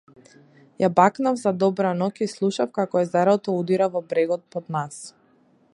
Ја бакнав за добра ноќ и слушав како езерото удира во брегот под нас.